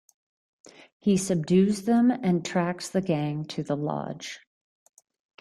He subdues them and tracks the gang to the lodge.